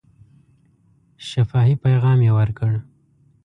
شفاهي پیغام یې ورکړ.